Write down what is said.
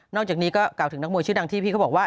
จากนี้ก็กล่าวถึงนักมวยชื่อดังที่พี่เขาบอกว่า